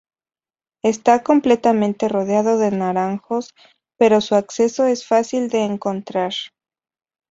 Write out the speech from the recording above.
Está completamente rodeado de naranjos, pero su acceso es fácil de encontrar.